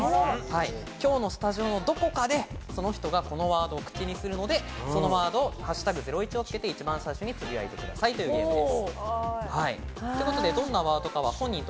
今日のスタジオのどこかで、その人がこのワードを口にするので、「＃ゼロイチ」をつけて、一番最初につぶやいてくださいというゲームです。